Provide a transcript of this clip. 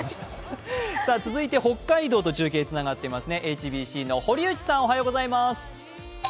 続いて北海道と中継がつながっています、ＨＢＣの堀内さん。